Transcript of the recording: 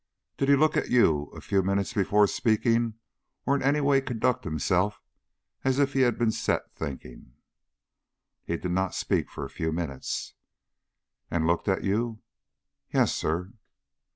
"Did he look at you a few minutes before speaking, or in any way conduct himself as if he had been set thinking?" "He did not speak for a few minutes." "And looked at you?" "Yes, sir."